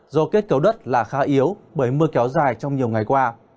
do kết cấu đất là khá yếu bởi mưa kéo dài trong nhiều ngày qua